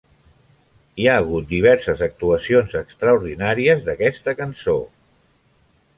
Hi ha hagut diverses actuacions extraordinaris d'aquesta cançó.